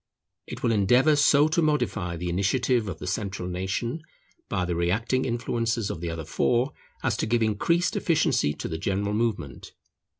It will endeavour so to modify the initiative of the central nation, by the reacting influences of the other four, as to give increased efficiency to the general movement.